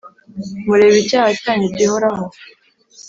mureba icyaha cyanyu gihoraho